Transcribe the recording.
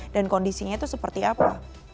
dan kondisinya itu seperti apa